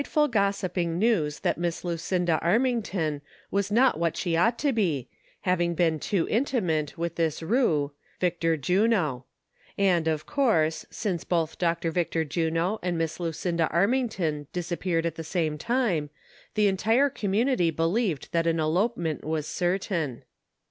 ful gossiping news that Miss Lucinda Arming ton was not what she ought to be, having been too intimate with this rou^, Victor Juno, and, of course, since both Dr. Victor Juno and Miss Lucinda Armington disappeared at the same time, the entire community believed that an elopement was certain.